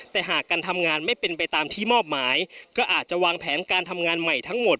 แต่หากการทำงานไม่เป็นไปตามที่มอบหมายก็อาจจะวางแผนการทำงานใหม่ทั้งหมด